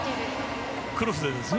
クロスでですね。